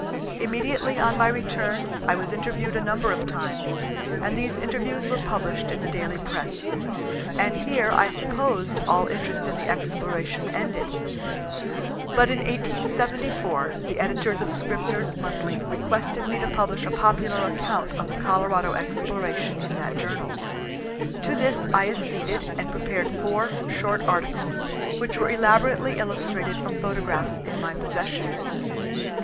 Immediately on my return I was interviewed a number of times, and these interviews were published in the daily press; and here I supposed all interest in the exploration ended. But in 1874 the editors of Scribner's Monthly requested me to publish a popular account of the Colorado exploration in that journal. To this I acceded and prepared four short articles, which were elaborately illustrated from photographs in my possession.